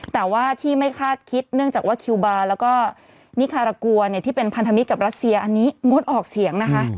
แต่ว่าที่ไม่คาดคิดเนื่องจากว่าคิวบาร์แล้วก็นิคารากัวที่เป็นพันธมิตรกับรัสเซียอันนี้งดออกเสียงนะคะ